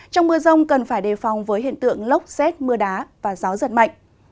trong mưa rông cần phải đề phòng với hiện tượng lốc xét mưa đá và gió giật mạnh